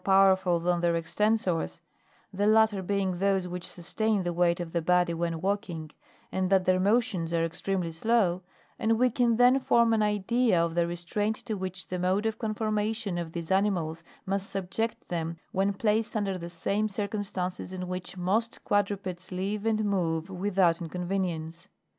powerful than their extensors, the latter being those which sustain the weight of the body when walking, and that their motions are extremely slow,, and we can then form an idea of the restraint to which the mode of conformation of these animals must subject them, when placed under the same circumstances in which most quadrupeds live and move without inconvenience.